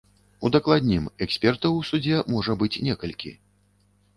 Удакладнім, экспертаў у судзе можа быць некалькі.